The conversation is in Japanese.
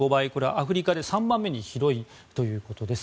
アフリカで３番目に広いということです。